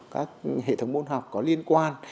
các hệ thống môn học có liên quan